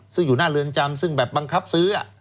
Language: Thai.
ซึ่งอยู่หน้าเรือนจำซึ่งแบบบังคับซื้อ